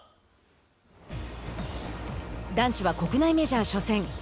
男子は、国内メジャー初戦。